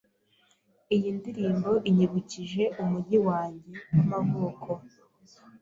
Iyi ndirimbo inyibukije umujyi wanjye w'amavuko.